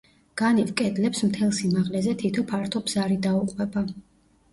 განივ კედლებს, მთელ სიმაღლეზე, თითო ფართო ბზარი დაუყვება.